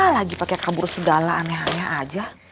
lagi pakai kabur segala aneh aneh aja